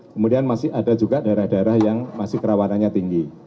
kemudian masih ada juga daerah daerah yang masih kerawanannya tinggi